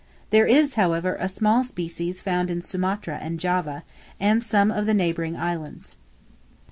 There is, however, a small species found in Sumatra and Java, and some of the neighboring islands.